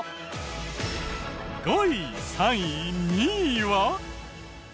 ５位３位２位は。